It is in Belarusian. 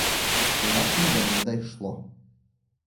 І раптам да мяне дайшло.